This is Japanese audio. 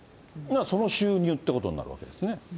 その収入ってことになるわけですよね。